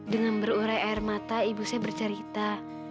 dengan berurai air mata ibu saya bercerita